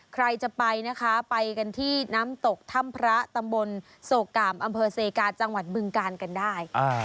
ใครจะไปนะคะไปกันที่น้ำตกถ้ำพระตำบลโศกกามอำเภอเซกาจังหวัดบึงกาลกันได้